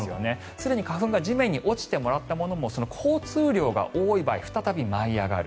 すでに花粉が地面に落ちたものも交通量が多い場合再び舞い上がる。